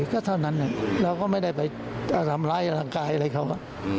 ก็เท่านั้นเราก็ไม่ได้ไปทำร้ายร่างกายอะไรเขา